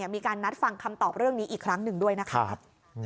มีการนัดฟังคำตอบเรื่องนี้อีกครั้งหนึ่งด้วยนะครับ